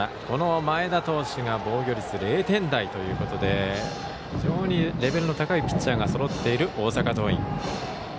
この前田投手が防御率０点台ということで非常にレベルの高いピッチャーがそろっている大阪桐蔭。